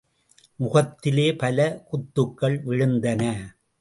முகத்திலே பல குத்துக்கள் விழுந்தன.